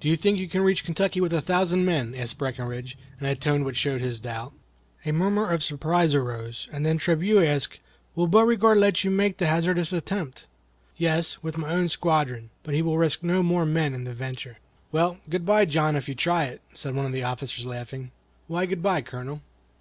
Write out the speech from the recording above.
"Do you think you can reach Kentucky with a thousand men?" asked Breckinridge, in a tone which showed his doubt. "I shall make the attempt with less than half of that number," replied Morgan, coolly. A murmur of surprise arose, and then Trabue asked: "Will Beauregard let you make the hazardous attempt?" "Yes, with my own squadron, but he will risk no more men in the venture." "Well, good bye, John, if you try it," said one of the officers, laughing. "Why good bye, Colonel?"